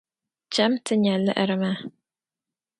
Chami ti nya liɣiri maa.